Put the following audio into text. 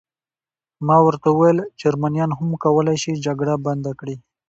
ما ورته وویل: جرمنیان هم کولای شي جګړه بنده کړي.